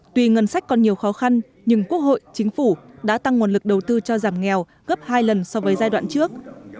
tuy ngân sách còn nhiều khó khăn nhưng quốc hội chính phủ đã tăng nguồn lực đầu tư cho giảm nghèo gấp hai lần so với giai đoạn trước